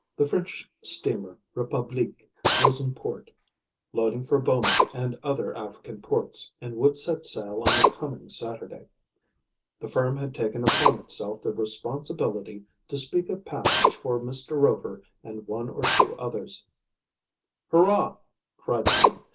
The French steamer Republique was in port, loading for Boma and other African ports, and would set sail on the coming Saturday. The firm had taken upon itself the responsibility to speak of passage for Mr. Rover and one or two others. "Hurrah!" cried Tom.